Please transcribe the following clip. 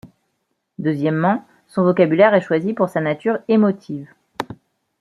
Deuxièmement, son vocabulaire est choisi pour sa nature émotive.